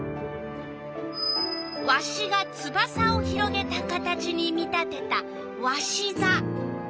わしがつばさを広げた形に見立てたわしざ。